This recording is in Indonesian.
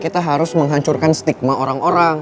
kita harus menghancurkan stigma orang orang